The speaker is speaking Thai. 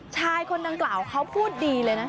ชายคนดังกล่าวเขาพูดดีเลยนะ